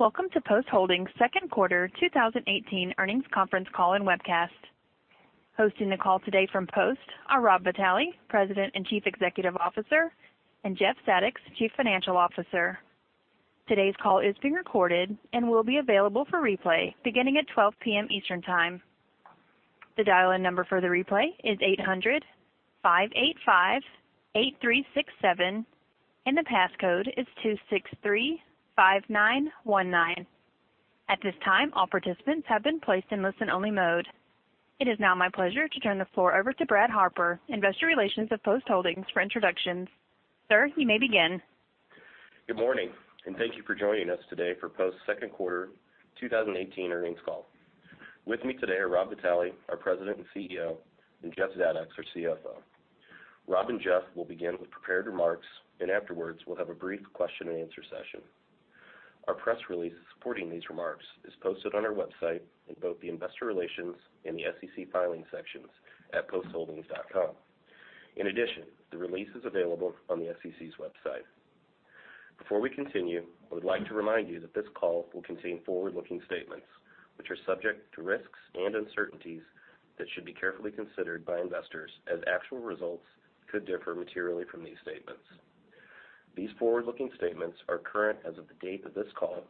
Welcome to Post Holdings' second quarter 2018 earnings conference call and webcast. Hosting the call today from Post are Rob Vitale, President and Chief Executive Officer, and Jeff Zadoks, Chief Financial Officer. Today's call is being recorded and will be available for replay beginning at 12:00 P.M. Eastern Time. The dial-in number for the replay is 800-585-8367 and the passcode is 2635919. At this time, all participants have been placed in listen-only mode. It is now my pleasure to turn the floor over to Brad Harper, Investor Relations of Post Holdings for introductions. Sir, you may begin. Good morning, thank you for joining us today for Post's second quarter 2018 earnings call. With me today are Rob Vitale, our President and CEO, and Jeff Zadoks, our CFO. Rob and Jeff will begin with prepared remarks, afterwards, we'll have a brief question and answer session. Our press release supporting these remarks is posted on our website in both the Investor Relations and the SEC Filings sections at postholdings.com. The release is available on the SEC's website. Before we continue, I would like to remind you that this call will contain forward-looking statements, which are subject to risks and uncertainties that should be carefully considered by investors, as actual results could differ materially from these statements. These forward-looking statements are current as of the date of this call,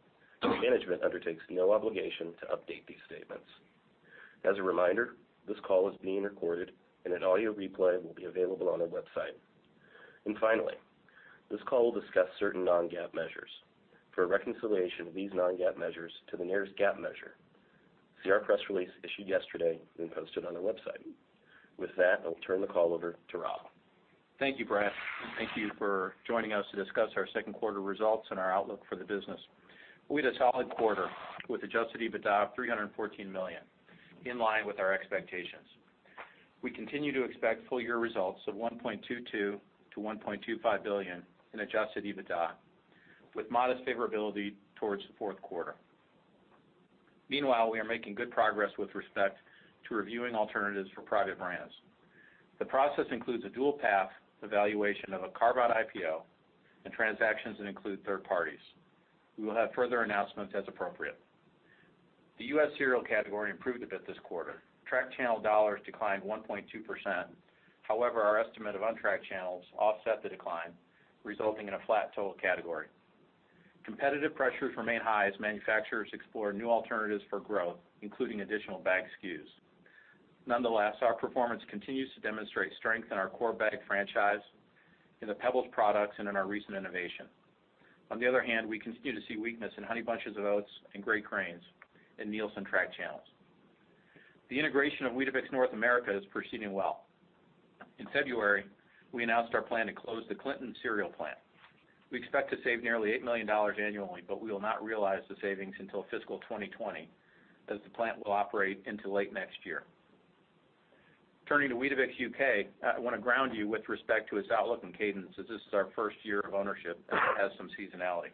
management undertakes no obligation to update these statements. As a reminder, this call is being recorded, an audio replay will be available on our website. Finally, this call will discuss certain non-GAAP measures. For a reconciliation of these non-GAAP measures to the nearest GAAP measure, see our press release issued yesterday and posted on our website. With that, I'll turn the call over to Rob. Thank you, Brad, thank you for joining us to discuss our second quarter results and our outlook for the business. We had a solid quarter with adjusted EBITDA of $314 million, in line with our expectations. We continue to expect full-year results of $1.22 billion-$1.25 billion in adjusted EBITDA, with modest favorability towards the fourth quarter. We are making good progress with respect to reviewing alternatives for Private Brands. The process includes a dual-path evaluation of a carve-out IPO and transactions that include third parties. We will have further announcements as appropriate. The U.S. cereal category improved a bit this quarter. Track channel dollars declined 1.2%. Our estimate of untracked channels offset the decline, resulting in a flat total category. Competitive pressures remain high as manufacturers explore new alternatives for growth, including additional bagged SKUs. Nonetheless, our performance continues to demonstrate strength in our core bagged franchise, in the Pebbles products, and in our recent innovation. On the other hand, we continue to see weakness in Honey Bunches of Oats and Great Grains in Nielsen track channels. The integration of Weetabix North America is proceeding well. In February, we announced our plan to close the Clinton cereal plant. We expect to save nearly $8 million annually, but we will not realize the savings until fiscal 2020, as the plant will operate into late next year. Turning to Weetabix U.K., I want to ground you with respect to its outlook and cadence, as this is our first year of ownership and it has some seasonality.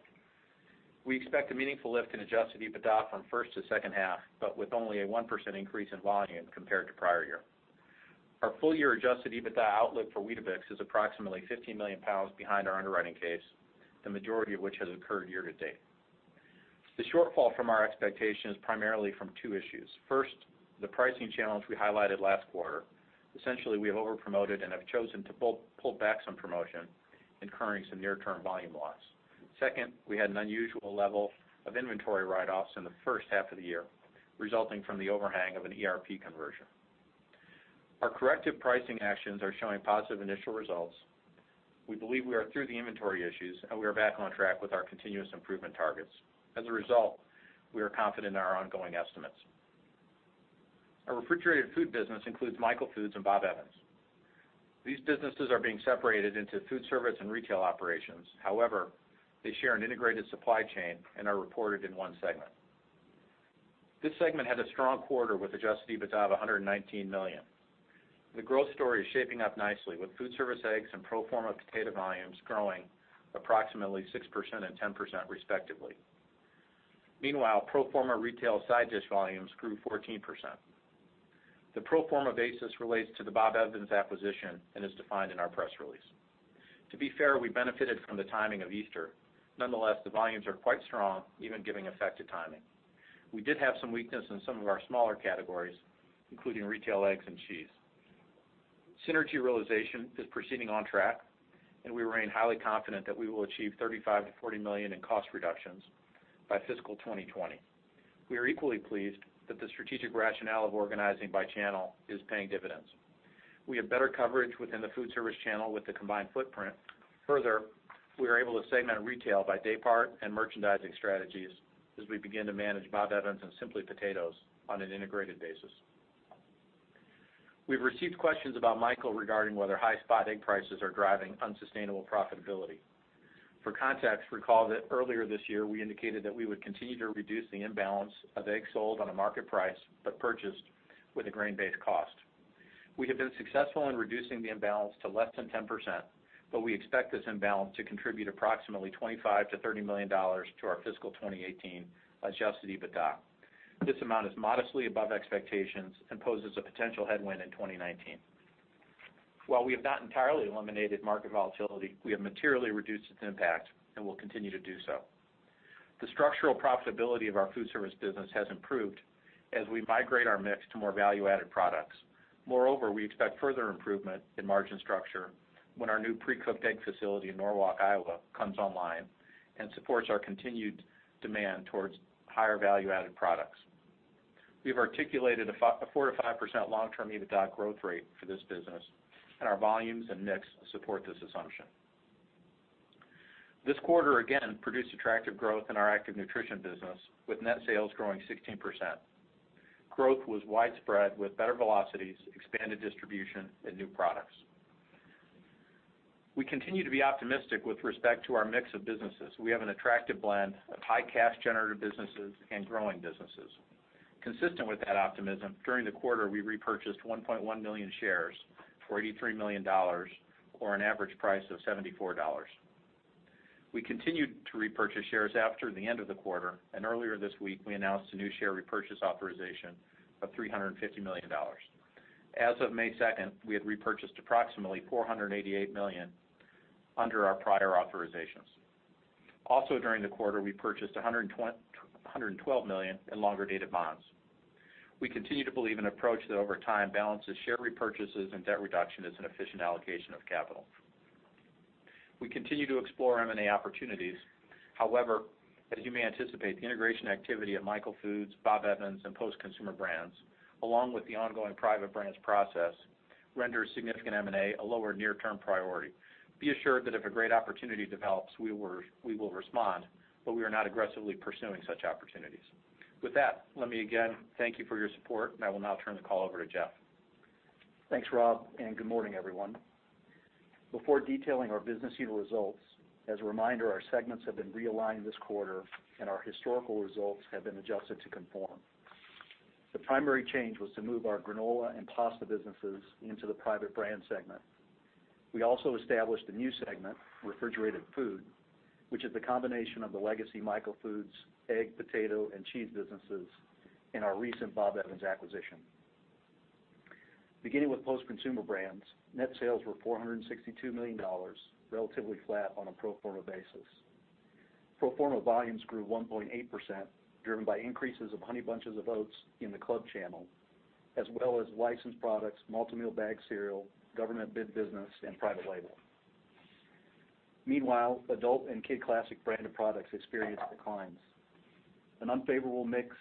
We expect a meaningful lift in adjusted EBITDA from the first to second half, but with only a 1% increase in volume compared to prior year. Our full-year adjusted EBITDA outlook for Weetabix is approximately 15 million pounds behind our underwriting case, the majority of which has occurred year to date. The shortfall from our expectation is primarily from two issues. First, the pricing challenge we highlighted last quarter. Essentially, we have overpromoted and have chosen to pull back some promotion, incurring some near-term volume loss. Second, we had an unusual level of inventory write-offs in the first half of the year, resulting from the overhang of an ERP conversion. Our corrective pricing actions are showing positive initial results. We believe we are through the inventory issues, and we are back on track with our continuous improvement targets. As a result, we are confident in our ongoing estimates. Our refrigerated food business includes Michael Foods and Bob Evans. These businesses are being separated into food service and retail operations. They share an integrated supply chain and are reported in one segment. This segment had a strong quarter with adjusted EBITDA of $119 million. The growth story is shaping up nicely with food service eggs and pro forma potato volumes growing approximately 6% and 10% respectively. Meanwhile, pro forma retail side dish volumes grew 14%. The pro forma basis relates to the Bob Evans acquisition and is defined in our press release. To be fair, we benefited from the timing of Easter. Nonetheless, the volumes are quite strong, even giving effect to timing. We did have some weakness in some of our smaller categories, including retail eggs and cheese. Synergy realization is proceeding on track, and we remain highly confident that we will achieve $35 million-$40 million in cost reductions by fiscal 2020. We are equally pleased that the strategic rationale of organizing by channel is paying dividends. We have better coverage within the food service channel with the combined footprint. Further, we are able to segment retail by day part and merchandising strategies as we begin to manage Bob Evans and Simply Potatoes on an integrated basis. We've received questions about Michael regarding whether high spot egg prices are driving unsustainable profitability. For context, recall that earlier this year, we indicated that we would continue to reduce the imbalance of eggs sold on a market price but purchased with a grain-based cost. We have been successful in reducing the imbalance to less than 10%, but we expect this imbalance to contribute approximately $25 million-$30 million to our fiscal 2018 adjusted EBITDA. This amount is modestly above expectations and poses a potential headwind in 2019. While we have not entirely eliminated market volatility, we have materially reduced its impact and will continue to do so. The structural profitability of our food service business has improved as we migrate our mix to more value-added products. Moreover, we expect further improvement in margin structure when our new pre-cooked egg facility in Norwalk, Iowa, comes online and supports our continued demand towards higher value-added products. We've articulated a 4%-5% long-term EBITDA growth rate for this business, and our volumes and mix support this assumption. This quarter, again, produced attractive growth in our Active Nutrition business, with net sales growing 16%. Growth was widespread, with better velocities, expanded distribution, and new products. We continue to be optimistic with respect to our mix of businesses. We have an attractive blend of high cash generative businesses and growing businesses. Consistent with that optimism, during the quarter, we repurchased 1.1 million shares for $83 million, or an average price of $74. We continued to repurchase shares after the end of the quarter, and earlier this week we announced a new share repurchase authorization of $350 million. As of May 2nd, we had repurchased approximately $488 million under our prior authorizations. Also, during the quarter, we purchased $112 million in longer-dated bonds. We continue to believe an approach that, over time, balances share repurchases and debt reduction is an efficient allocation of capital. We continue to explore M&A opportunities. However, as you may anticipate, the integration activity at Michael Foods, Bob Evans, and Post Consumer Brands, along with the ongoing Private Brands process, renders significant M&A a lower near-term priority. Be assured that if a great opportunity develops, we will respond, but we are not aggressively pursuing such opportunities. With that, let me again thank you for your support, and I will now turn the call over to Jeff. Thanks, Rob, and good morning, everyone. Before detailing our business unit results, as a reminder, our segments have been realigned this quarter, and our historical results have been adjusted to conform. The primary change was to move our granola and pasta businesses into the Private Brands segment. We also established a new segment, Refrigerated Food, which is the combination of the legacy Michael Foods egg, potato, and cheese businesses in our recent Bob Evans acquisition. Beginning with Post Consumer Brands, net sales were $462 million, relatively flat on a pro forma basis. Pro forma volumes grew 1.8%, driven by increases of Honey Bunches of Oats in the club channel, as well as licensed products, multi-meal bagged cereal, government bid business, and private label. Meanwhile, adult and kid classic branded products experienced declines. An unfavorable mix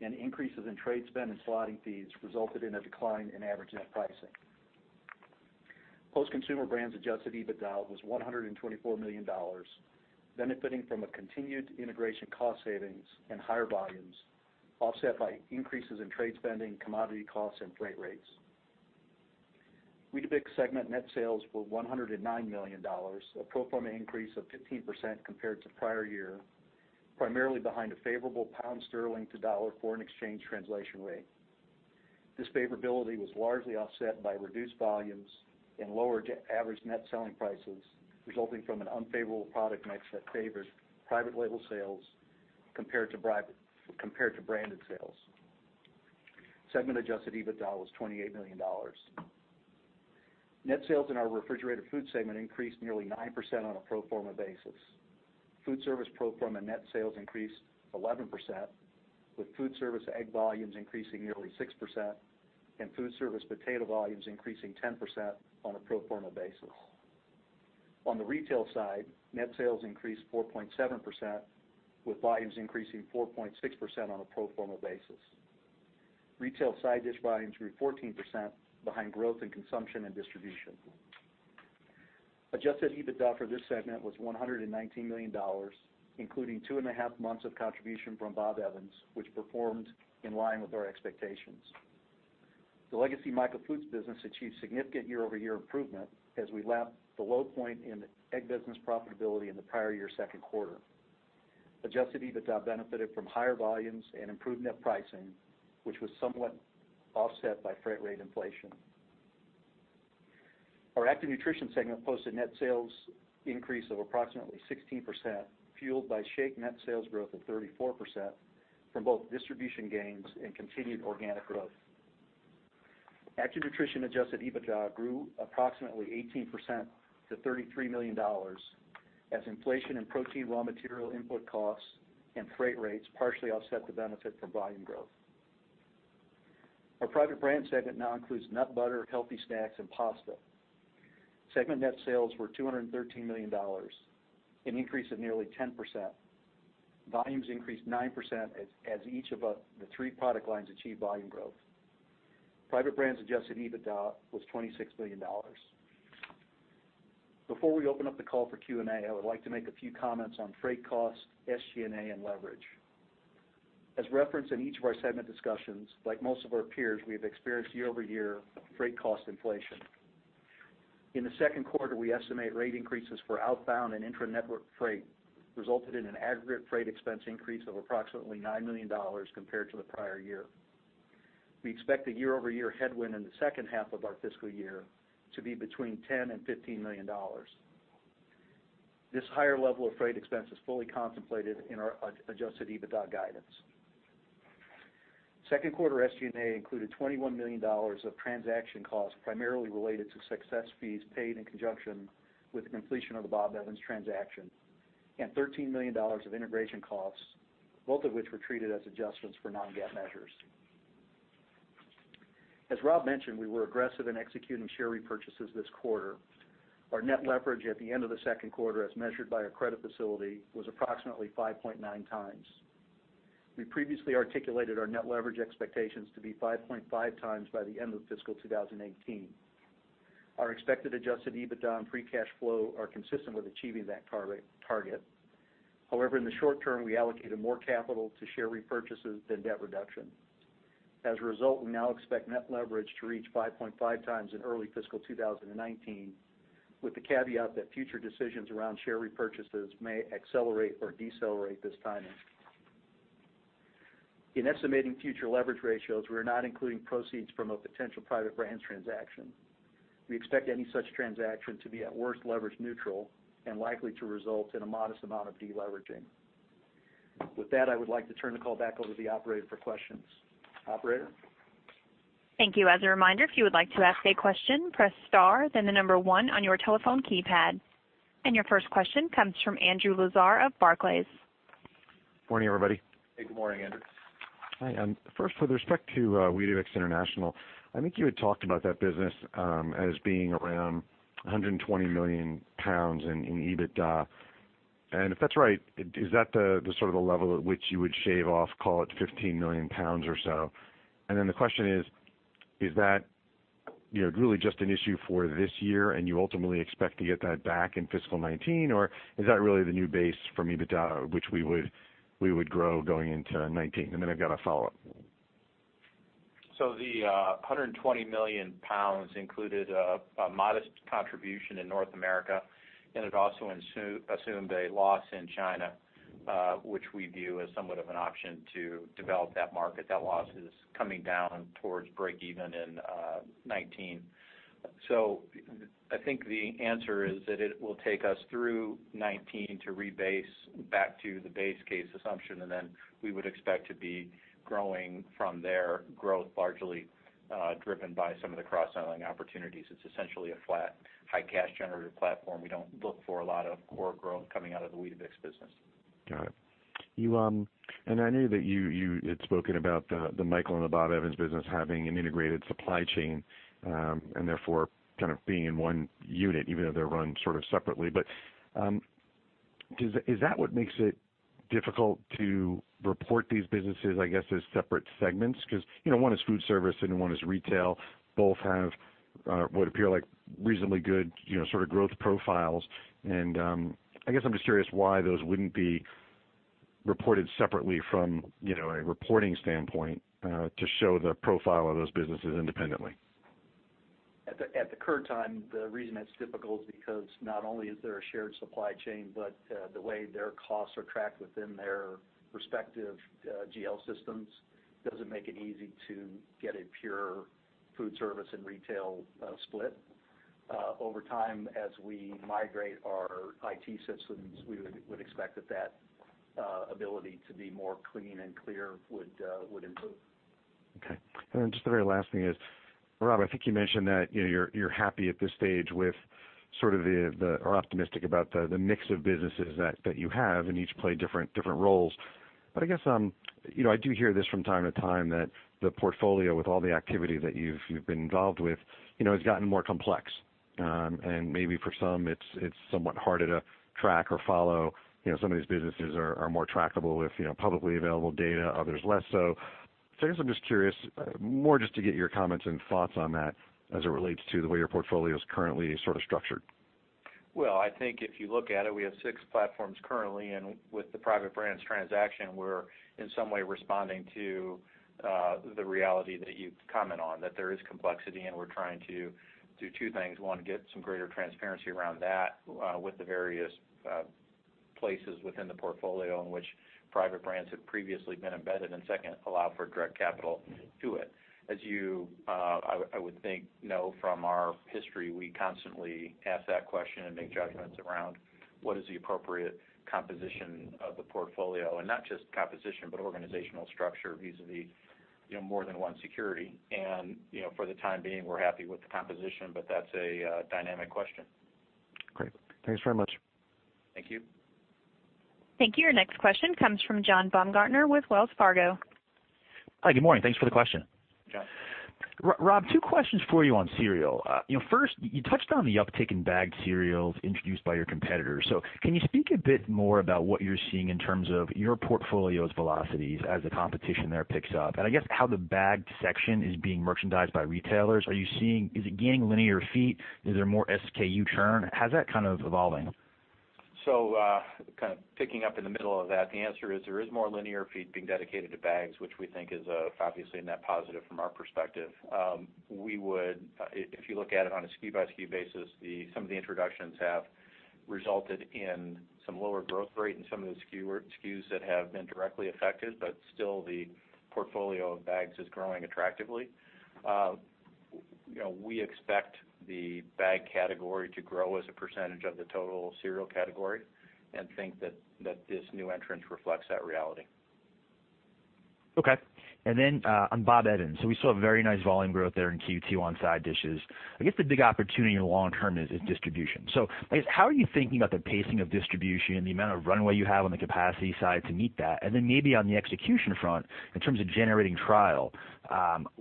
and increases in trade spend and slotting fees resulted in a decline in average net pricing. Post Consumer Brands adjusted EBITDA was $124 million, benefiting from a continued integration cost savings and higher volumes, offset by increases in trade spending, commodity costs, and freight rates. Weetabix segment net sales were $109 million, a pro forma increase of 15% compared to prior year, primarily behind a favorable pound sterling to dollar foreign exchange translation rate. This favorability was largely offset by reduced volumes and lower average net selling prices, resulting from an unfavorable product mix that favored private label sales compared to branded sales. Segment adjusted EBITDA was $28 million. Net sales in our Refrigerated Food segment increased nearly 9% on a pro forma basis. Food service pro forma net sales increased 11%, with food service egg volumes increasing nearly 6% and food service potato volumes increasing 10% on a pro forma basis. On the retail side, net sales increased 4.7%, with volumes increasing 4.6% on a pro forma basis. Retail side dish volumes grew 14% behind growth in consumption and distribution. Adjusted EBITDA for this segment was $119 million, including two and a half months of contribution from Bob Evans, which performed in line with our expectations. The legacy Michael Foods business achieved significant year-over-year improvement as we lapped the low point in egg business profitability in the prior year second quarter. Adjusted EBITDA benefited from higher volumes and improved net pricing, which was somewhat offset by freight rate inflation. Our Active Nutrition segment posted net sales increase of approximately 16%, fueled by shake net sales growth of 34% from both distribution gains and continued organic growth. Active Nutrition adjusted EBITDA grew approximately 18% to $33 million as inflation and protein raw material input costs and freight rates partially offset the benefit from volume growth. Our Private Brands segment now includes nut butter, healthy snacks, and pasta. Segment net sales were $213 million, an increase of nearly 10%. Volumes increased 9% as each of the three product lines achieved volume growth. Private Brands adjusted EBITDA was $26 million. Before we open up the call for Q&A, I would like to make a few comments on freight costs, SG&A, and leverage. As referenced in each of our segment discussions, like most of our peers, we have experienced year-over-year freight cost inflation. In the second quarter, we estimate rate increases for outbound and intra-network freight resulted in an aggregate freight expense increase of approximately $9 million compared to the prior year. We expect a year-over-year headwind in the second half of our fiscal year to be between $10 million-$15 million. This higher level of freight expense is fully contemplated in our adjusted EBITDA guidance. Second quarter SG&A included $21 million of transaction costs, primarily related to success fees paid in conjunction with the completion of the Bob Evans transaction, and $13 million of integration costs, both of which were treated as adjustments for non-GAAP measures. As Rob mentioned, we were aggressive in executing share repurchases this quarter. Our net leverage at the end of the second quarter, as measured by our credit facility, was approximately 5.9 times. We previously articulated our net leverage expectations to be 5.5 times by the end of fiscal 2018. Our expected adjusted EBITDA and free cash flow are consistent with achieving that target. In the short term, we allocated more capital to share repurchases than debt reduction. We now expect net leverage to reach 5.5 times in early fiscal 2019, with the caveat that future decisions around share repurchases may accelerate or decelerate this timing. In estimating future leverage ratios, we are not including proceeds from a potential Private Brands transaction. We expect any such transaction to be, at worst, leverage neutral and likely to result in a modest amount of de-leveraging. With that, I would like to turn the call back over to the operator for questions. Operator? Thank you. As a reminder, if you would like to ask a question, press star, then 1 on your telephone keypad. Your first question comes from Andrew Lazar of Barclays. Morning, everybody. Hey, good morning, Andrew. First, with respect to Weetabix International, I think you had talked about that business as being around 120 million pounds in EBITDA. If that's right, is that the sort of the level at which you would shave off, call it 15 million pounds or so? The question is that really just an issue for this year and you ultimately expect to get that back in fiscal 2019? Or is that really the new base for EBITDA, which we would grow going into 2019? I've got a follow-up. The 120 million pounds included a modest contribution in North America, it also assumed a loss in China, which we view as somewhat of an option to develop that market. That loss is coming down towards breakeven in 2019. I think the answer is that it will take us through 2019 to rebase back to the base case assumption, we would expect to be growing from there, growth largely driven by some of the cross-selling opportunities. It's essentially a flat, high cash generative platform. We don't look for a lot of core growth coming out of the Weetabix business. Got it. I know that you had spoken about the Michael Foods and the Bob Evans business having an integrated supply chain, therefore kind of being in one unit, even though they're run sort of separately. Is that what makes it difficult to report these businesses, I guess, as separate segments? Because one is food service and one is retail. Both have what appear like reasonably good sort of growth profiles. I guess I'm just curious why those wouldn't be reported separately from a reporting standpoint to show the profile of those businesses independently. At the current time, the reason it's difficult is because not only is there a shared supply chain, but the way their costs are tracked within their respective GL systems doesn't make it easy to get a pure food service and retail split. Over time, as we migrate our IT systems, we would expect that that ability to be more clean and clear would improve. Okay. Just the very last thing is, Rob, I think you mentioned that you're happy at this stage with sort of or optimistic about the mix of businesses that you have, and each play different roles. I guess, I do hear this from time to time, that the portfolio, with all the activity that you've been involved with, has gotten more complex. Maybe for some, it's somewhat harder to track or follow. Some of these businesses are more trackable with publicly available data, others less so. I guess I'm just curious, more just to get your comments and thoughts on that as it relates to the way your portfolio's currently sort of structured. Well, I think if you look at it, we have six platforms currently, with the Private Brands transaction, we're in some way responding to the reality that you comment on, that there is complexity and we're trying to do two things. One, get some greater transparency around that with the various places within the portfolio in which Private Brands had previously been embedded. Second, allow for direct capital to it. As you, I would think, know from our history, we constantly ask that question and make judgments around what is the appropriate composition of the portfolio. Not just composition, but organizational structure vis-a-vis more than one security. For the time being, we're happy with the composition, but that's a dynamic question. Great. Thanks very much. Thank you. Thank you. Your next question comes from John Baumgartner with Wells Fargo. Hi, good morning. Thanks for the question. John. Rob, two questions for you on cereal. First, you touched on the uptick in bagged cereals introduced by your competitors. Can you speak a bit more about what you're seeing in terms of your portfolio's velocities as the competition there picks up, and I guess how the bagged section is being merchandised by retailers? Is it gaining linear feet? Is there more SKU churn? How's that kind of evolving? Kind of picking up in the middle of that, the answer is there is more linear feet being dedicated to bags, which we think is obviously a net positive from our perspective. If you look at it on a SKU by SKU basis, some of the introductions have resulted in some lower growth rate in some of the SKUs that have been directly affected. Still, the portfolio of bags is growing attractively. We expect the bag category to grow as a percentage of the total cereal category and think that this new entrance reflects that reality. Okay. On Bob Evans, we saw a very nice volume growth there in Q2 on side dishes. The big opportunity long term is distribution. How are you thinking about the pacing of distribution, the amount of runway you have on the capacity side to meet that? Maybe on the execution front in terms of generating trial,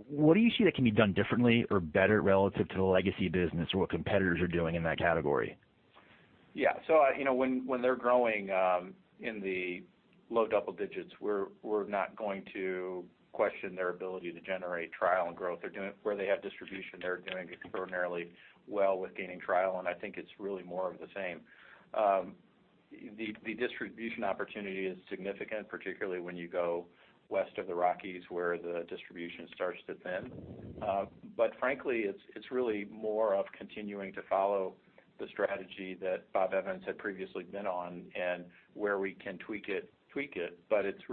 what do you see that can be done differently or better relative to the legacy business or what competitors are doing in that category? Yeah. When they're growing in the low double digits, we're not going to question their ability to generate trial and growth. Where they have distribution, they're doing extraordinarily well with gaining trial, and I think it's really more of the same. The distribution opportunity is significant, particularly when you go west of the Rockies, where the distribution starts to thin. Frankly, it's really more of continuing to follow the strategy that Bob Evans had previously been on and where we can tweak it. It's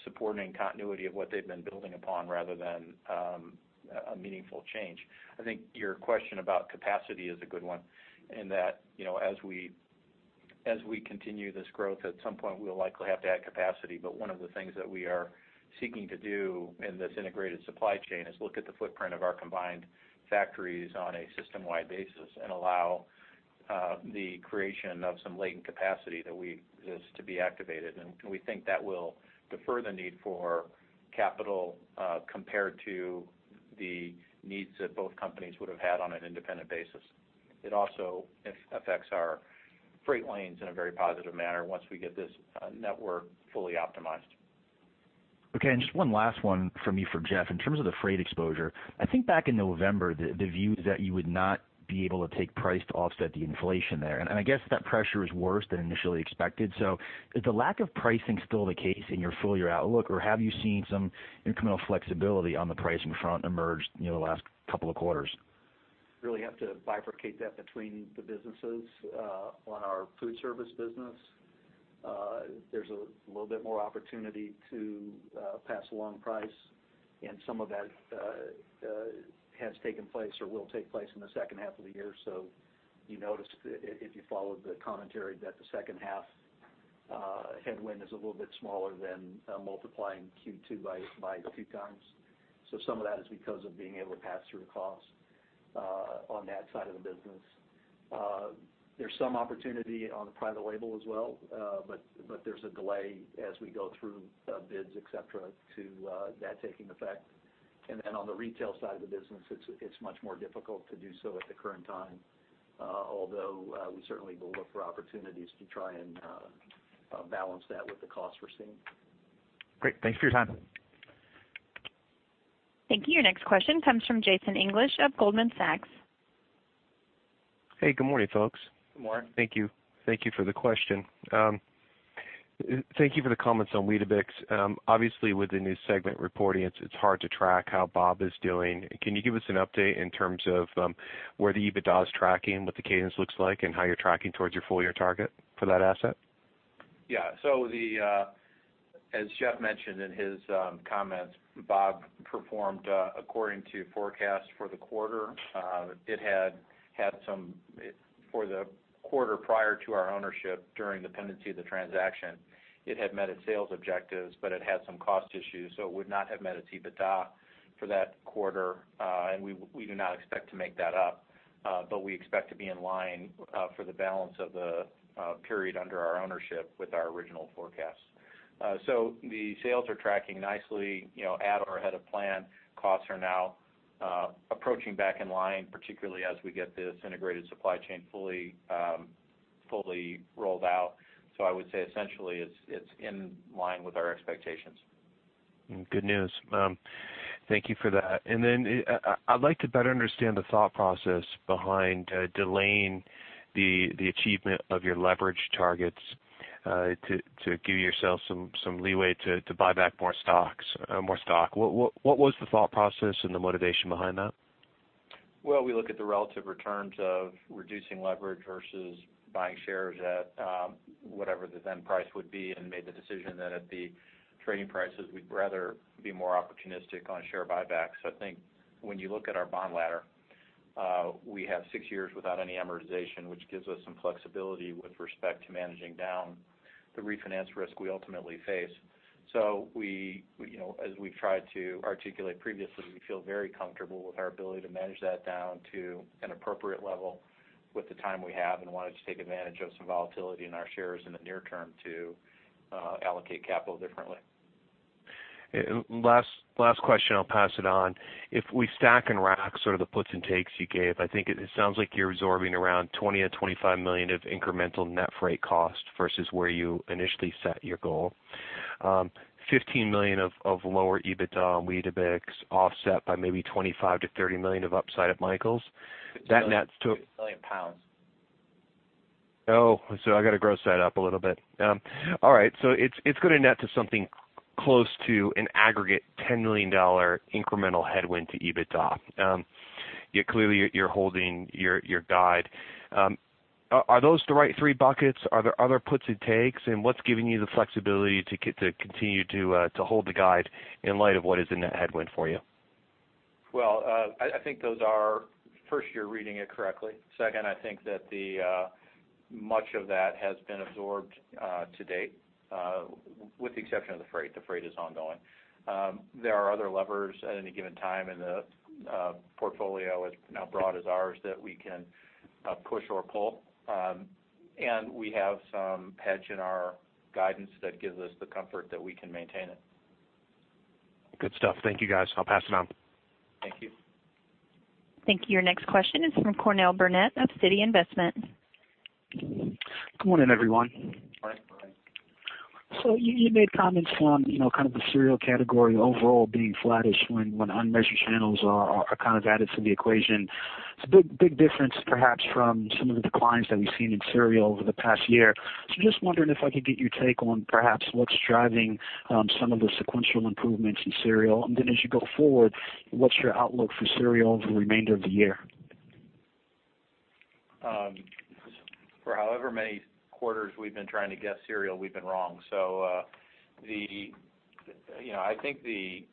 really more supporting continuity of what they've been building upon rather than a meaningful change. I think your question about capacity is a good one in that, as we continue this growth, at some point, we'll likely have to add capacity. One of the things that we are seeking to do in this integrated supply chain is look at the footprint of our combined factories on a system-wide basis and allow the creation of some latent capacity that is to be activated. We think that will defer the need for capital, compared to the needs that both companies would have had on an independent basis. It also affects our freight lanes in a very positive manner once we get this network fully optimized. Okay, just one last one from me for Jeff. In terms of the freight exposure, back in November, the view is that you would not be able to take price to offset the inflation there. That pressure is worse than initially expected. Is the lack of pricing still the case in your full-year outlook? Have you seen some incremental flexibility on the pricing front emerge in the last couple of quarters? Really have to bifurcate that between the businesses. On our food service business, there's a little bit more opportunity to pass along price, and some of that has taken place or will take place in the second half of the year. You noticed, if you followed the commentary, that the second half headwind is a little bit smaller than multiplying Q2 by two times. Some of that is because of being able to pass through the cost on that side of the business. There's some opportunity on the private label as well. There's a delay as we go through bids, et cetera, to that taking effect. On the retail side of the business, it's much more difficult to do so at the current time, although, we certainly will look for opportunities to try and balance that with the costs we're seeing. Great. Thanks for your time. Thank you. Your next question comes from Jason English of Goldman Sachs. Hey, good morning, folks. Good morning. Thank you for the question. Thank you for the comments on Weetabix. Obviously, with the new segment reporting, it's hard to track how Bob is doing. Can you give us an update in terms of where the EBITDA is tracking, what the cadence looks like, and how you're tracking towards your full-year target for that asset? Yeah. As Jeff mentioned in his comments, Bob performed according to forecasts for the quarter. For the quarter prior to our ownership, during the pendency of the transaction, it had met its sales objectives, but it had some cost issues, so it would not have met its EBITDA for that quarter. We do not expect to make that up. We expect to be in line for the balance of the period under our ownership with our original forecasts. The sales are tracking nicely, at or ahead of plan. Costs are now approaching back in line, particularly as we get this integrated supply chain fully rolled out. I would say essentially it's in line with our expectations. Good news. Thank you for that. Then I'd like to better understand the thought process behind delaying the achievement of your leverage targets, to give yourself some leeway to buy back more stock. What was the thought process and the motivation behind that? We look at the relative returns of reducing leverage versus buying shares at whatever the then price would be and made the decision that at the trading prices, we'd rather be more opportunistic on share buybacks. I think when you look at our bond ladder, we have six years without any amortization, which gives us some flexibility with respect to managing down the refinance risk we ultimately face. As we've tried to articulate previously, we feel very comfortable with our ability to manage that down to an appropriate level with the time we have and wanted to take advantage of some volatility in our shares in the near term to allocate capital differently. Last question, I'll pass it on. If we stack and rack sort of the puts and takes you gave, I think it sounds like you're absorbing around $20 million or $25 million of incremental net freight cost versus where you initially set your goal. $15 million of lower EBITDA on Weetabix, offset by maybe $25 million-$30 million of upside at Michael's. That nets to- Million pounds. Oh, I've got to gross that up a little bit. All right, it's going to net to something close to an aggregate $10 million incremental headwind to EBITDA. Yet clearly, you're holding your guide. Are those the right three buckets? Are there other puts and takes, what's giving you the flexibility to continue to hold the guide in light of what is in that headwind for you? Well, I think those are. First, you're reading it correctly. Second, I think that much of that has been absorbed to date, with the exception of the freight. The freight is ongoing. There are other levers at any given time in the portfolio, as broad as ours, that we can push or pull. We have some hedge in our guidance that gives us the comfort that we can maintain it. Good stuff. Thank you, guys. I'll pass it on. Thank you. Thank you. Your next question is from Cornell Barnett of Citi Investment. Good morning, everyone. Hi, Cornell. You made comments on kind of the cereal category overall being flattish when unmeasured channels are added to the equation. It's a big difference perhaps from some of the declines that we've seen in cereal over the past year. Just wondering if I could get your take on perhaps what's driving some of the sequential improvements in cereal. As you go forward, what's your outlook for cereal over the remainder of the year? For however many quarters we've been trying to guess cereal, we've been wrong. I think the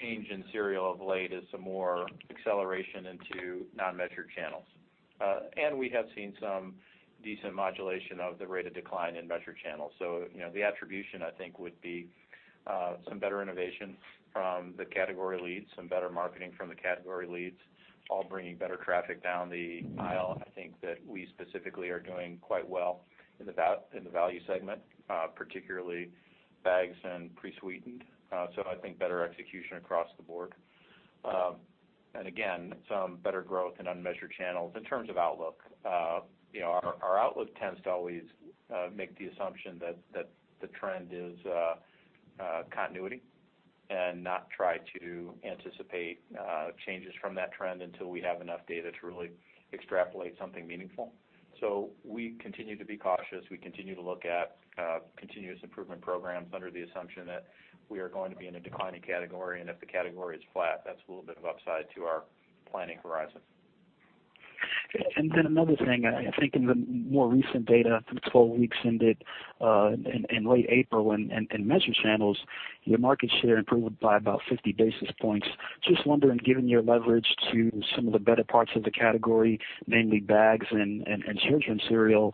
change in cereal of late is some more acceleration into non-measured channels. We have seen some decent modulation of the rate of decline in measured channels. The attribution, I think, would be some better innovation from the category leads, some better marketing from the category leads, all bringing better traffic down the aisle. I think that we specifically are doing quite well in the value segment, particularly bags and pre-sweetened. I think better execution across the board. Again, some better growth in unmeasured channels. In terms of outlook, our outlook tends to always make the assumption that the trend is continuity and not try to anticipate changes from that trend until we have enough data to really extrapolate something meaningful. We continue to be cautious. We continue to look at continuous improvement programs under the assumption that we are going to be in a declining category, if the category is flat, that's a little bit of upside to our planning horizon. Another thing, I think in the more recent data, the 12 weeks ended in late April, in measured channels, your market share improved by about 50 basis points. Just wondering, given your leverage to some of the better parts of the category, namely bags and children's cereal,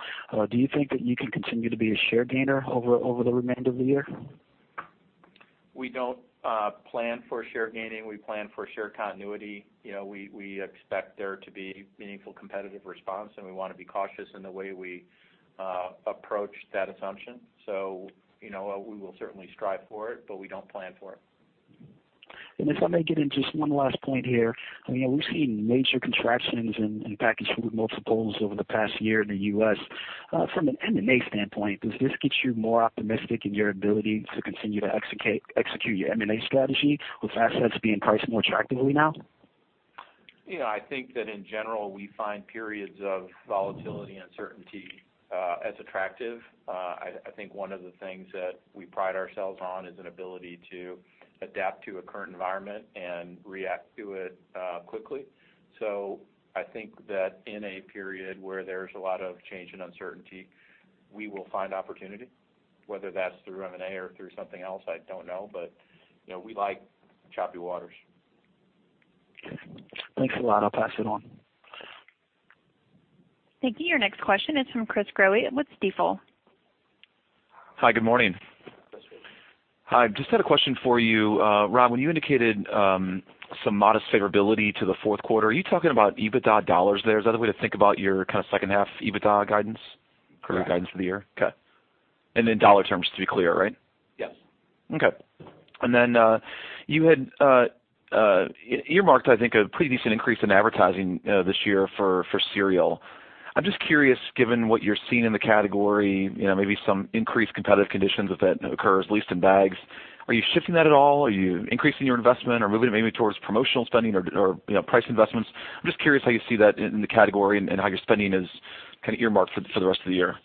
do you think that you can continue to be a share gainer over the remainder of the year? We don't plan for share gaining. We plan for share continuity. We expect there to be meaningful competitive response, and we want to be cautious in the way we approach that assumption. We will certainly strive for it, but we don't plan for it. If I may get in just one last point here. We've seen major contractions in packaged food multiples over the past year in the U.S. From an M&A standpoint, does this get you more optimistic in your ability to continue to execute your M&A strategy with assets being priced more attractively now? I think that in general, we find periods of volatility and uncertainty as attractive. I think one of the things that we pride ourselves on is an ability to adapt to a current environment and react to it quickly. I think that in a period where there's a lot of change and uncertainty, we will find opportunity. Whether that's through M&A or through something else, I don't know, but we like choppy waters. Okay. Thanks a lot. I'll pass it on. Thank you. Your next question is from Chris Growe with Stifel. Hi, good morning. Chris Growe. Hi, just had a question for you, Rob, when you indicated some modest favorability to the fourth quarter, are you talking about EBITDA dollars there? Is that a way to think about your second half EBITDA guidance? Correct current guidance for the year? Okay. In dollar terms, to be clear, right? Yes. Okay. Then, you had earmarked, I think, a pretty decent increase in advertising this year for cereal. I'm just curious, given what you're seeing in the category, maybe some increased competitive conditions, if that occurs, at least in bags, are you shifting that at all? Are you increasing your investment or moving it maybe towards promotional spending or price investments? I'm just curious how you see that in the category and how your spending is kind of earmarked for the rest of the year.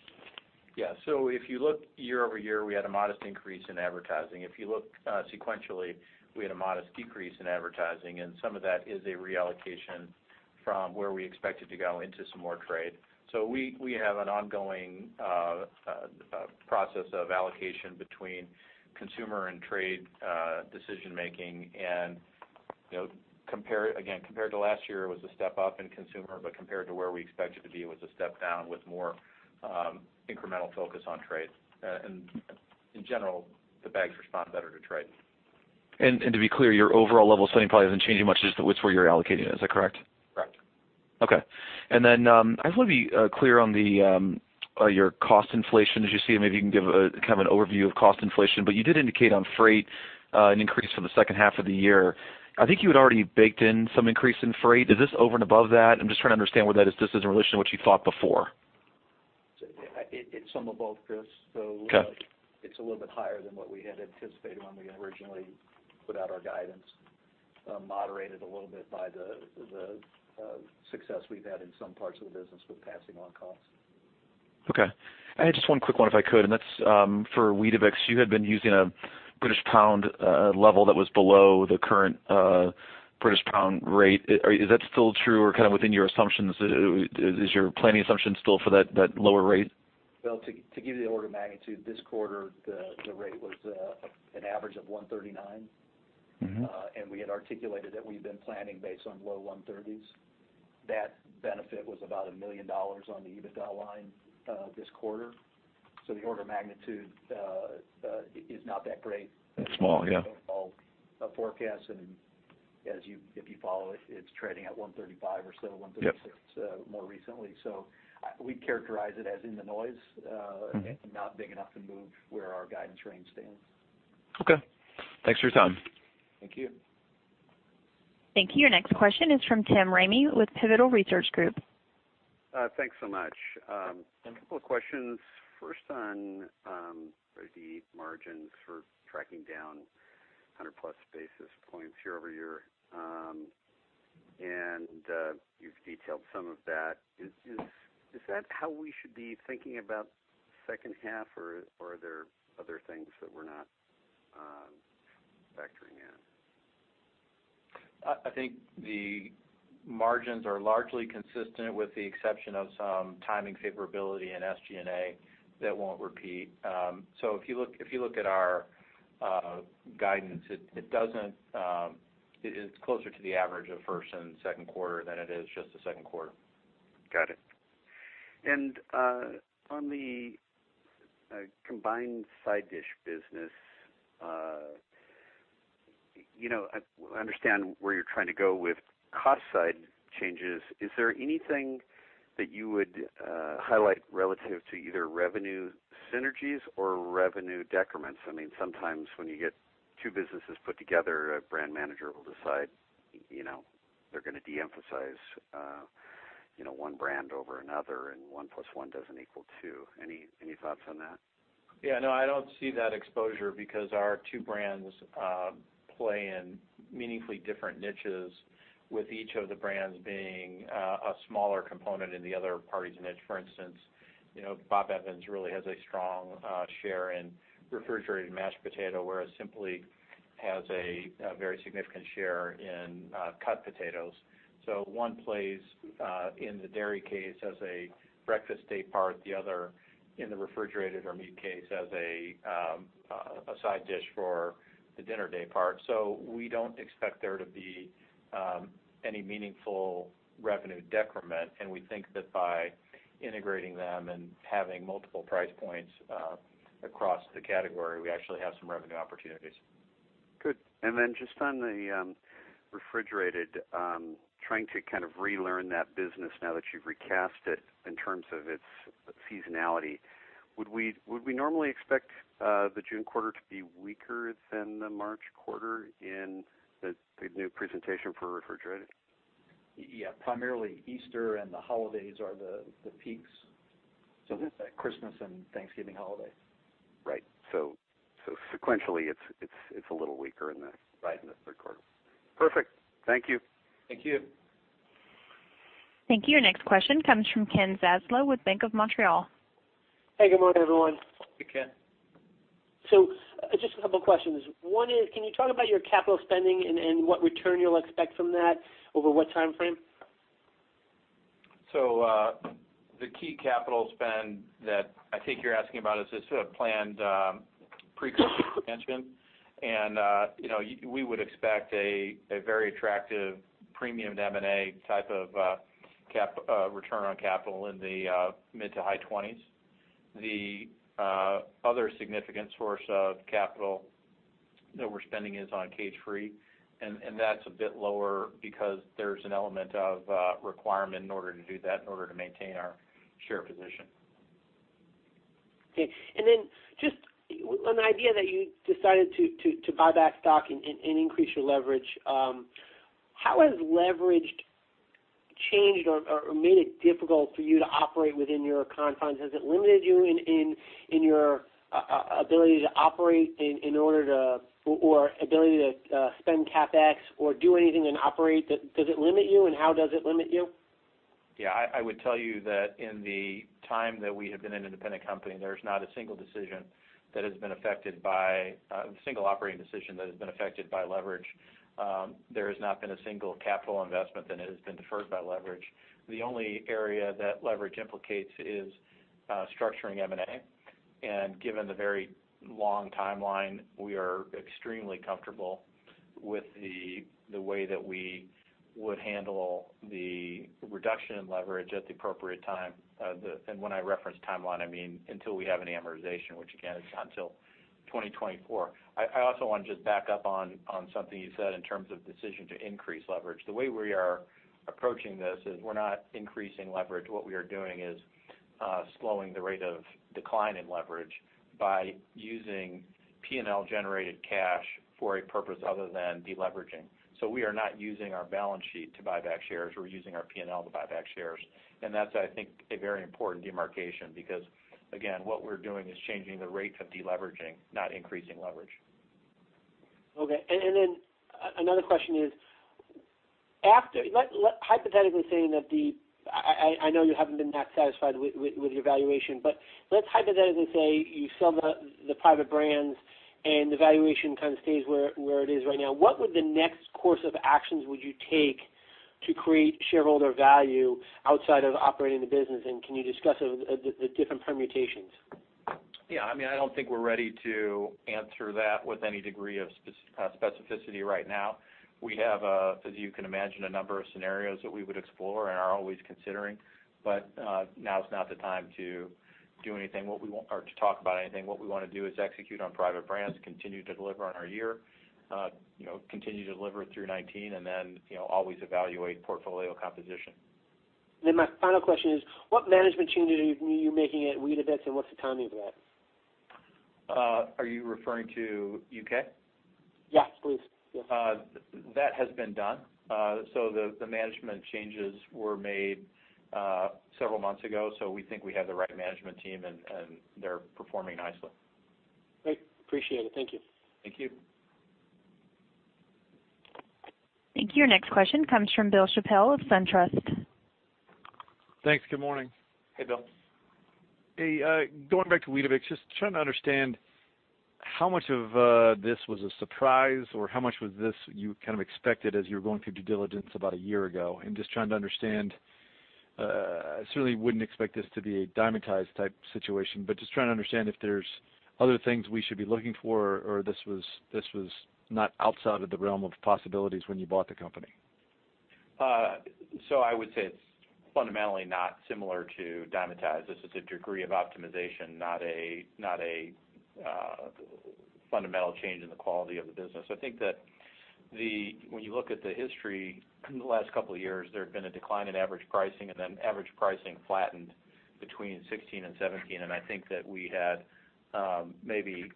Yeah. If you look year-over-year, we had a modest increase in advertising. If you look sequentially, we had a modest decrease in advertising, some of that is a reallocation from where we expected to go into some more trade. We have an ongoing process of allocation between consumer and trade decision making, again, compared to last year, it was a step up in consumer, compared to where we expected to be, it was a step down with more incremental focus on trade. In general, the bags respond better to trade. To be clear, your overall level of spending probably hasn't changed much. It's just where you're allocating it. Is that correct? Correct. Okay. I just want to be clear on your cost inflation as you see it. Maybe you can give an overview of cost inflation, you did indicate on freight an increase for the second half of the year. I think you had already baked in some increase in freight. Is this over and above that? I'm just trying to understand where that is just as in relation to what you thought before. It's some of both, Chris. Okay. It's a little bit higher than what we had anticipated when we originally put out our guidance, moderated a little bit by the success we've had in some parts of the business with passing on costs. Okay. I had just one quick one if I could, That's for Weetabix. You had been using a British pound level that was below the current British pound rate. Is that still true or within your assumptions? Is your planning assumption still for that lower rate? Well, to give you the order of magnitude, this quarter, the rate was an average of 139. We had articulated that we've been planning based on low 130s. That benefit was about $1 million on the EBITDA line this quarter. The order of magnitude is not that great. It's small, yeah. Overall forecast, if you follow it's trading at 135 or so, 136- Yep more recently. We characterize it as in the noise. Not big enough to move where our guidance range stands. Okay. Thanks for your time. Thank you. Thank you. Your next question is from Tim Ramey with Pivotal Research Group. Thanks so much. Yeah. A couple of questions. First on the margins for tracking down 100 basis points year-over-year. You've detailed some of that. Is that how we should be thinking about second half, or are there other things that we're not factoring in? I think the margins are largely consistent with the exception of some timing favorability and SG&A that won't repeat. If you look at our guidance, it's closer to the average of first and second quarter than it is just the second quarter. Got it. On the combined side dish business, I understand where you're trying to go with cost side changes. Is there anything that you would highlight relative to either revenue synergies or revenue decrements? Sometimes when you get two businesses put together, a brand manager will decide they're going to de-emphasize one brand over another and one plus one doesn't equal two. Any thoughts on that? Yeah, no, I don't see that exposure because our two brands play in meaningfully different niches with each of the brands being a smaller component in the other party's niche. For instance, Bob Evans really has a strong share in refrigerated mashed potato, whereas Simply has a very significant share in cut potatoes. One plays in the dairy case as a breakfast day part, the other in the refrigerated or meat case as a side dish for the dinner day part. We don't expect there to be any meaningful revenue decrement, and we think that by integrating them and having multiple price points across the category, we actually have some revenue opportunities. Good. Then just on the refrigerated, trying to relearn that business now that you've recast it in terms of its seasonality. Would we normally expect the June quarter to be weaker than the March quarter in the new presentation for refrigerated? Yeah. Primarily Easter and the holidays are the peaks. Okay. That Christmas and Thanksgiving holiday. Right. Sequentially, it's a little weaker. Right in the third quarter. Perfect. Thank you. Thank you. Thank you. Your next question comes from Ken Zaslow with Bank of Montreal. Hey, good morning, everyone. Hey, Ken. Just a couple questions. One is, can you talk about your capital spending and what return you'll expect from that over what time frame? The key capital spend that I think you're asking about is this planned pre-cooked expansion. We would expect a very attractive premium to M&A type of return on capital in the mid to high 20s. The other significant source of capital that we're spending is on cage-free, and that's a bit lower because there's an element of requirement in order to do that, in order to maintain our share position. Okay. Just on the idea that you decided to buy back stock and increase your leverage. How has leverage changed or made it difficult for you to operate within your confines? Has it limited you in your ability to operate or ability to spend CapEx or do anything and operate? Does it limit you, and how does it limit you? Yeah, I would tell you that in the time that we have been an independent company, there's not a single operating decision that has been affected by leverage. There has not been a single capital investment that has been deferred by leverage. The only area that leverage implicates is structuring M&A. Given the very long timeline, we are extremely comfortable with the way that we would handle the reduction in leverage at the appropriate time. When I reference timeline, I mean until we have an amortization, which again, is not until 2024. I also want to just back up on something you said in terms of decision to increase leverage. The way we are approaching this is we're not increasing leverage. What we are doing is slowing the rate of decline in leverage by using P&L generated cash for a purpose other than de-leveraging. We are not using our balance sheet to buy back shares. We're using our P&L to buy back shares. That's, I think, a very important demarcation because, again, what we're doing is changing the rate of de-leveraging, not increasing leverage. Okay. Another question is, hypothetically saying that I know you haven't been that satisfied with your valuation, but let's hypothetically say you sell the Private Brands and the valuation kind of stays where it is right now. What would the next course of actions would you take to create shareholder value outside of operating the business? Can you discuss the different permutations? Yeah. I don't think we're ready to answer that with any degree of specificity right now. We have, as you can imagine, a number of scenarios that we would explore and are always considering, but now's not the time to do anything or to talk about anything. What we want to do is execute on Private Brands, continue to deliver on our year, continue to deliver through 2019, always evaluate portfolio composition. my final question is, what management changes are you making at Weetabix, and what's the timing of that? Are you referring to U.K.? Yes, please. That has been done. The management changes were made several months ago. We think we have the right management team, and they're performing nicely. Great. Appreciate it. Thank you. Thank you. Thank you. Your next question comes from Bill Chappell of SunTrust. Thanks. Good morning. Hey, Bill. Hey, going back to Weetabix, just trying to understand how much of this was a surprise, how much was this you kind of expected as you were going through due diligence about one year ago and just trying to understand. I certainly wouldn't expect this to be a Diamond Foods type situation, but just trying to understand if there's other things we should be looking for, this was not outside of the realm of possibilities when you bought the company. I would say it's fundamentally not similar to Diamond Foods. This is a degree of optimization, not a fundamental change in the quality of the business. I think that when you look at the history in the last couple of years, there had been a decline in average pricing, then average pricing flattened between 2016 and 2017. I think that we had maybe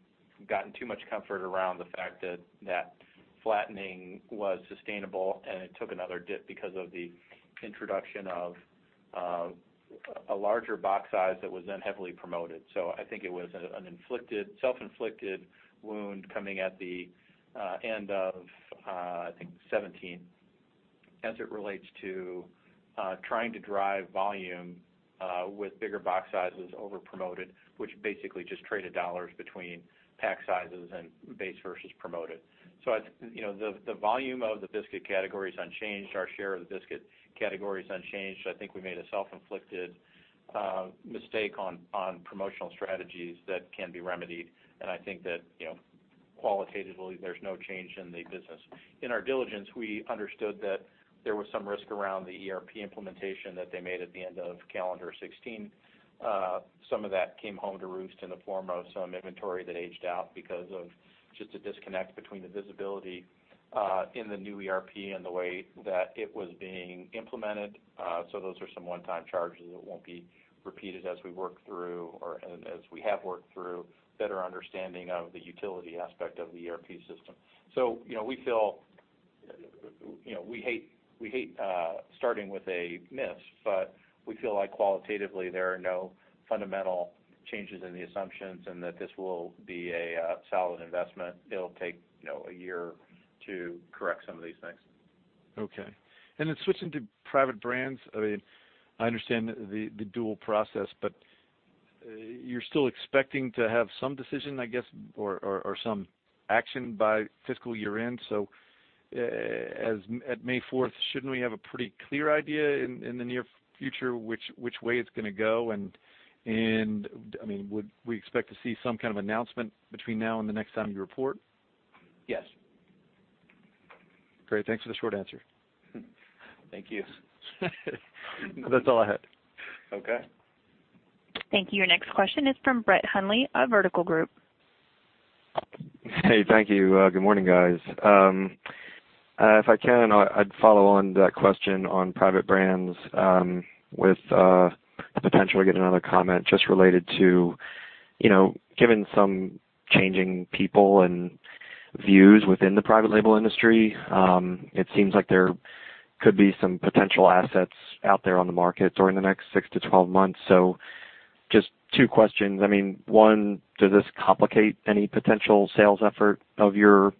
gotten too much comfort around the fact that flattening was sustainable, it took another dip because of the introduction of a larger box size that was then heavily promoted. I think it was a self-inflicted wound coming at the end of, I think, 2017 as it relates to trying to drive volume with bigger box sizes over promoted, which basically just traded $ between pack sizes and base versus promoted. The volume of the biscuit category is unchanged. Our share of the biscuit category is unchanged. I think we made a self-inflicted mistake on promotional strategies that can be remedied, I think that qualitatively, there's no change in the business. In our diligence, we understood that there was some risk around the ERP implementation that they made at the end of calendar 2016. Some of that came home to roost in the form of some inventory that aged out because of just a disconnect between the visibility in the new ERP and the way that it was being implemented. Those are some one-time charges that won't be repeated as we work through, or as we have worked through better understanding of the utility aspect of the ERP system. We hate starting with a miss, but we feel like qualitatively, there are no fundamental changes in the assumptions that this will be a solid investment. It'll take a year to correct some of these things. Okay. Switching to Private Brands, I understand the dual process, but you're still expecting to have some decision, I guess, or some action by fiscal year-end. At May 4th, shouldn't we have a pretty clear idea in the near future which way it's going to go? Would we expect to see some kind of announcement between now and the next time you report? Yes. Great. Thanks for the short answer. Thank you. That's all I had. Okay. Thank you. Your next question is from Brett Hundley of Vertical Group. Hey. Thank you. Good morning, guys. If I can, I'd follow on that question on Private Brands with the potential to get another comment just related to, given some changing people and views within the private label industry, it seems like there could be some potential assets out there on the market during the next six to 12 months. Just two questions. One, does this complicate any potential sales effort of your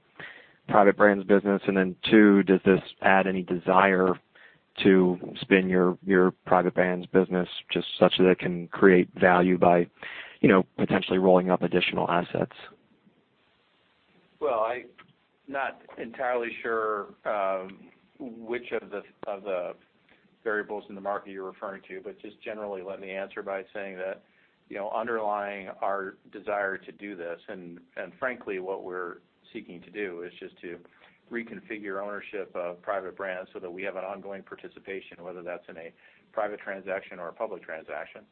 Private Brands business? Then two, does this add any desire to spin your Private Brands business just such that it can create value by potentially rolling up additional assets? Well, I'm not entirely sure which of the variables in the market you're referring to, but just generally, let me answer by saying that underlying our desire to do this, frankly, what we're seeking to do is just to reconfigure ownership of Private Brands so that we have an ongoing participation, whether that's in a private transaction or a public transaction,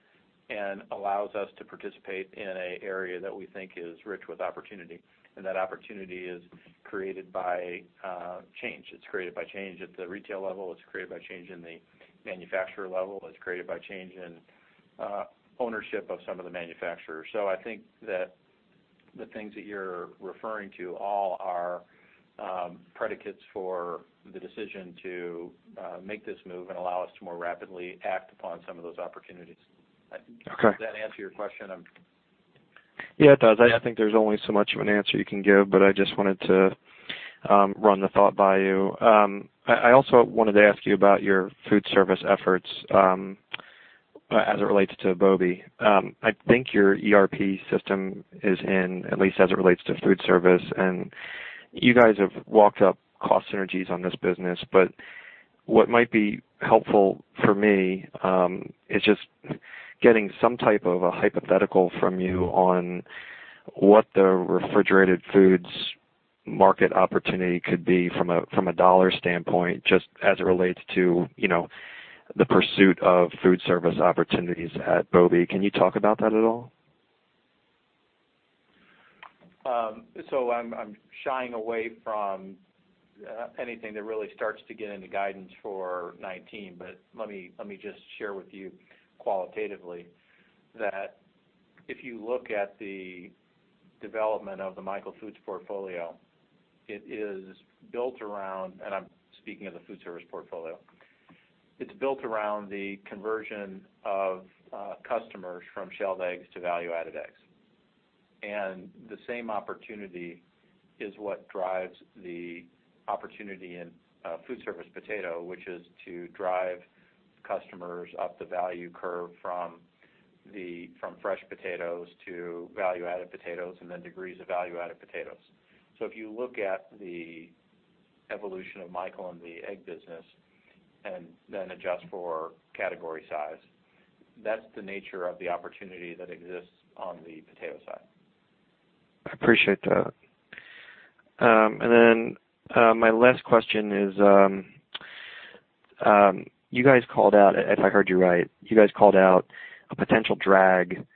and allows us to participate in an area that we think is rich with opportunity. That opportunity is created by change. It's created by change at the retail level. It's created by change in the manufacturer level. It's created by change in ownership of some of the manufacturers. I think that the things that you're referring to all are predicates for the decision to make this move and allow us to more rapidly act upon some of those opportunities. Okay. Does that answer your question? Yeah, it does. I think there's only so much of an answer you can give, but I just wanted to run the thought by you. I also wanted to ask you about your food service efforts, as it relates to Bob Evans. I think your ERP system is in, at least as it relates to food service, and you guys have walked up cost synergies on this business. What might be helpful for me is just getting some type of a hypothetical from you on what the refrigerated foods market opportunity could be from a dollar standpoint, just as it relates to the pursuit of food service opportunities at Bob Evans. Can you talk about that at all? I'm shying away from anything that really starts to get into guidance for 2019, let me just share with you qualitatively that if you look at the development of the Michael Foods portfolio, it is built around, and I'm speaking of the food service portfolio, it's built around the conversion of customers from shelled eggs to value-added eggs. The same opportunity is what drives the opportunity in food service potato, which is to drive customers up the value curve from fresh potatoes to value-added potatoes, and then degrees of value-added potatoes. If you look at the evolution of Michael and the egg business, and then adjust for category size, that's the nature of the opportunity that exists on the potato side. I appreciate that. Then, my last question is, you guys called out, if I heard you right, you guys called out a potential drag,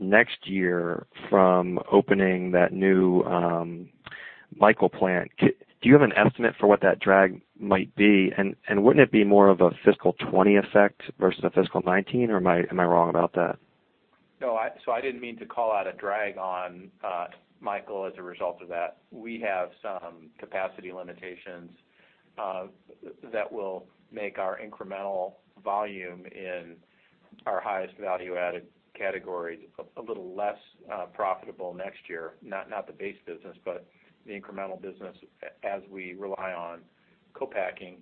next year from opening that new Michael plant. Do you have an estimate for what that drag might be? Wouldn't it be more of a fiscal 2020 effect versus a fiscal 2019, or am I wrong about that? No, I didn't mean to call out a drag on Michael as a result of that. We have some capacity limitations that will make our incremental volume in our highest value-added categories a little less profitable next year. Not the base business, but the incremental business as we rely on co-packing.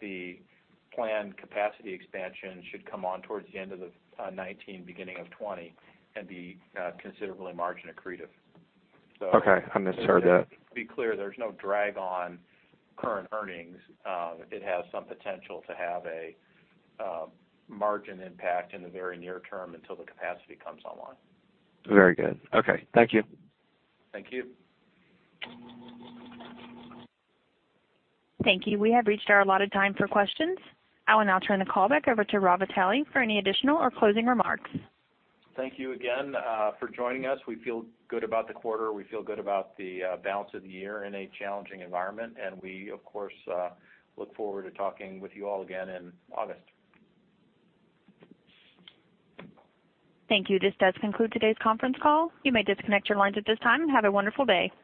The planned capacity expansion should come on towards the end of 2019, beginning of 2020, and be considerably margin accretive. Okay. I misunderstood that. To be clear, there's no drag on current earnings. It has some potential to have a margin impact in the very near term until the capacity comes online. Very good. Okay. Thank you. Thank you. Thank you. We have reached our allotted time for questions. I will now turn the call back over to Rob Vitale for any additional or closing remarks. Thank you again for joining us. We feel good about the quarter. We feel good about the balance of the year in a challenging environment, and we, of course, look forward to talking with you all again in August. Thank you. This does conclude today's conference call. You may disconnect your lines at this time, and have a wonderful day